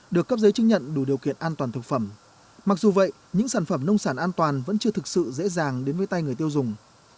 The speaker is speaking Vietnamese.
được cấp giấy chứng nhận đủ điều kiện an toàn thực phẩm mặc dù vậy những sản phẩm nông sản an toàn vẫn chưa thực sự dễ dàng đến với tay người tiêu dùng